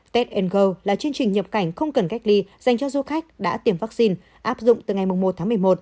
test go là chương trình nhập cảnh không cần cách ly dành cho du khách đã tiềm vaccine áp dụng từ ngày một mươi một tháng một mươi một